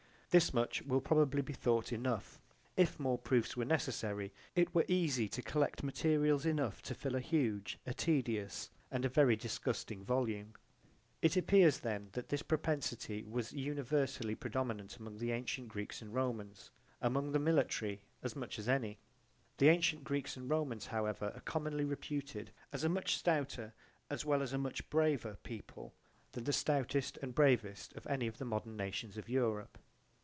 This much will probably be thought enough: if more proofs were necessary, it were easy to collect materials enough to fill a huge, a tedious and a very disgusting volume. It appears then that this propensity was universally predominant among the antient Greeks and Romans, among the military as much as any. The antient Greeks and Romans, however, are commonly reputed as a much stouter as well as a much braver people than the stoutest and bravest of any of the modern nations of Europe.